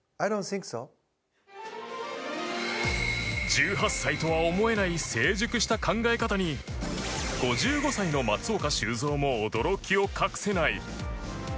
１８歳とは思えない成熟した考え方に５５歳の松岡修造も驚きを隠せない。